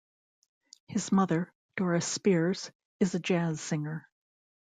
His mother, Doris Spears, is a jazz singer.